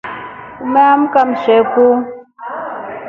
Maamka mshekuu.